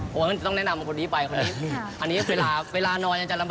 ก็ประมาณ๕นาที๑๐นาทีก็ถึงนะครับ